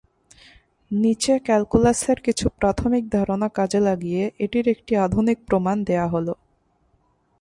নিচে ক্যালকুলাসের কিছু প্রাথমিক ধারণা কাজে লাগিয়ে এটির একটি আধুনিক প্রমাণ দেয়া হল।